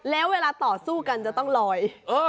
แล้วเวลาต่อสู้กันจะต้องลอย